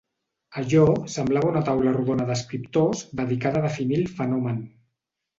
Allò semblava una taula rodona d'escriptors dedicada a definir el fenomen.